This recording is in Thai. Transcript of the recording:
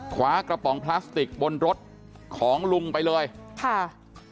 คว้ากระป๋องพลาสติกบนรถของลุงไปเลยค่ะ